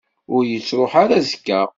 Ur yettruḥ ara azekka.